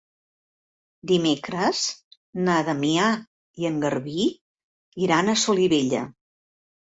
Dimecres na Damià i en Garbí iran a Solivella.